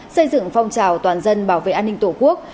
xây dựng phong trào toàn dân bảo vệ an ninh tổ quốc